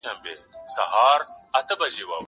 زه اوس سينه سپين کوم!